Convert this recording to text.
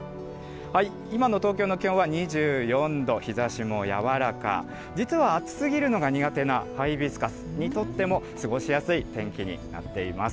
今の東京の気温は２４度、日ざしもやわらか、実は暑すぎるのが苦手なハイビスカスにとっても、過ごしやすい天気になっています。